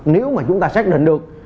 nếu mà chúng ta xác định được